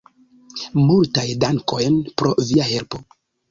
Multajn dankojn pro via helpo!